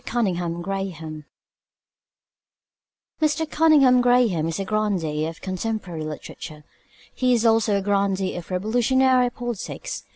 CUNNINGHAME GRAHAM Mr. Cunninghame Graham is a grandee of contemporary literature. He is also a grandee of revolutionary politics.